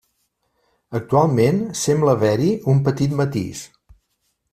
Actualment sembla haver-hi un petit matís.